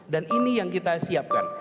dan ini yang kita siapkan